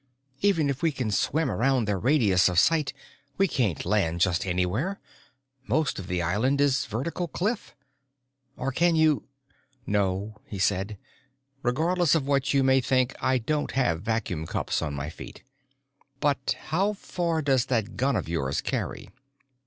"Even if we can swim around their radius of sight we can't land just anywhere. Most of the island is vertical cliff. Or can you...?" "No," he said. "Regardless of what you may think I don't have vacuum cups on my feet. But how far does that gun of yours carry?"